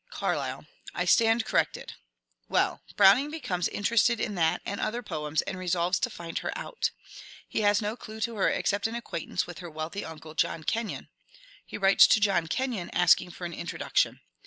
Carlyle. I stand corrected. Well : Browning becomes in terested in that and other poems, and resolves to find her out. He has no clue to her except an acquaintance with her wealthy uncle, John Kenyon. He writes to John Kenyon asking for an introduction.